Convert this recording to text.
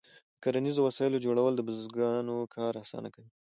د کرنیزو وسایلو جوړول د بزګرانو کار اسانه کوي.